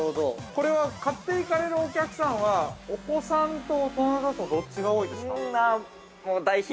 これは、買っていかれるお客さんは、お子さんと大人だとどっちが多いですか。